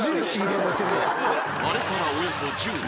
［あれからおよそ１０年。